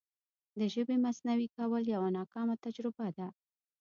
د ژبې مصنوعي کول یوه ناکامه تجربه ده.